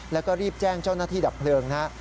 แล้วก็รีบแจ้งเจ้าหน้าที่ดับเพลิงนะครับ